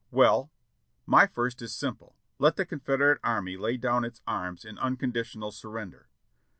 "Well, my first is simple — let the Confederate Army lay down its arms in unconditional surrender."